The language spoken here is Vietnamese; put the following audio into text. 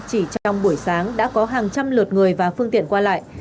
chỉ trong buổi sáng đã có hàng trăm lượt người và phương tiện qua lại